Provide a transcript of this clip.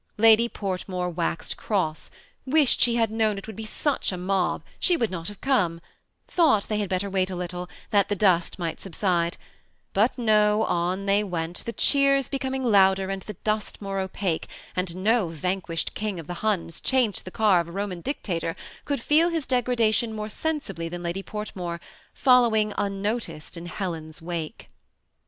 Lady Portmore waxed cross — wished she had known it would be such a mob, she would not have come; thought they had better wait a little, that the dust might subside ; but no, on they went, the cheers becoming louder, and the dust more opaque, and no vanquished king of the Huns, chained to the car of a Eoman dictator, could feel his degradation more sensibly than Lady Portmore, following unnoticed in Helen's wake.